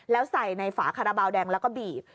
แล้วใส่ในฝาคาราบาลแดงแล้วก็บีบ